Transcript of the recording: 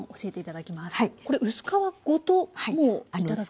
これ薄皮ごともういただく？